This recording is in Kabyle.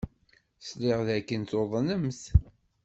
Sliɣ dakken tuḍnemt.